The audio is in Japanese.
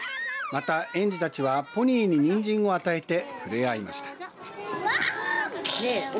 また、園児たちはポニーに、にんじんを与えて触れ合いました。